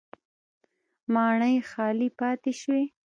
ماڼۍ خالي پاتې شوې